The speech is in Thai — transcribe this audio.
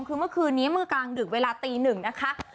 คือเมื่อคืนนี้เมื่อกลางดึกเวลาตีหนึ่งนะคะ